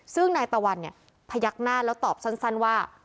ซึ่งนายตะวันเนี่ยพยักหน้าแล้วตอบสั้นว่า